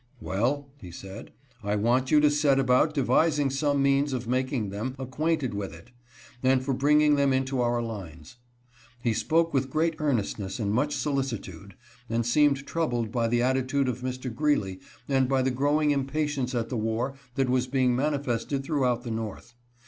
" Well," he said, " I want you to set about devising some means of making them acquainted with it, and for bringing them into our lines." He spoke with great earnestness and much solicitude, and seemed troubled by the attitude of Mr. Greeley and by the growing impatience at the war that was being manifested throughout the North.